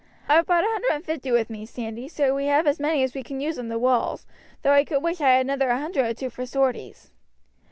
"I have brought a hundred and fifty with me, Sandy, so we have as many as we can use on the walls, though I could wish I had another hundred or two for sorties."